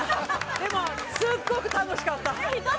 でもすっごく楽しかった。